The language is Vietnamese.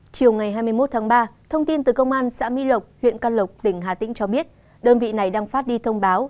chiều ngày hai mươi một tháng ba thông tin từ công an xã mỹ lộc huyện can lộc tỉnh hà tĩnh cho biết đơn vị này đang phát đi thông báo